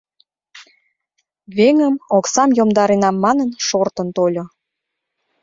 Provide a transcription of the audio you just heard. — Веҥым, оксам йомдаренам манын, шортын тольо.